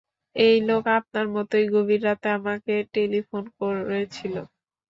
এই লোক আপনার মতোই গভীর রাতে আমাকে টেলিফোন করেছিল।